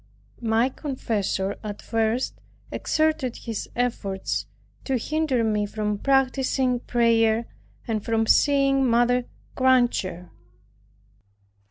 My confessor at first exerted his efforts to hinder me from practicing prayer, and from seeing Mother Granger.